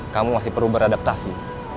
kamu masih perlu beradaptasi